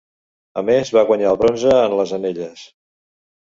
A més va guanyar el bronze en les anelles.